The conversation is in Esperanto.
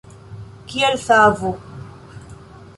Kiel savo.